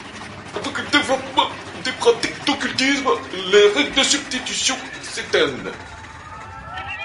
Avec le développement de pratiques d'occultisme, les règles de substitution s'étendent.